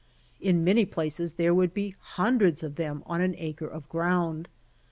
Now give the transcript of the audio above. In many places there would be hundreds of them on an acre of ground.